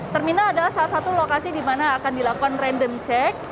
terminal adalah salah satu lokasi di mana akan dilakukan random check